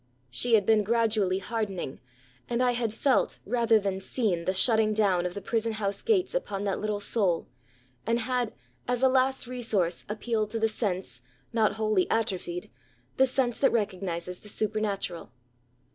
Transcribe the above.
She had been gradually hardening; and I had felt rather than seen the shutting down of the prison house gates upon that little soul, and had, as a last resource, appealed to the sense, not wholly atrophied, the sense that recognises the supernatural.